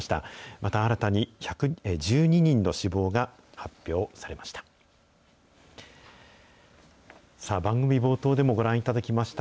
また、新たに１２人の死亡が発表されました。